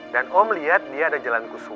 dan om lihat dia ada jalan kusuma